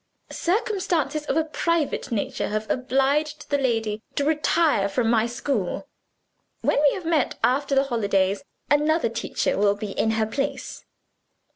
"Circumstances of a private nature have obliged the lady to retire from my school. When we meet after the holidays, another teacher will be in her place."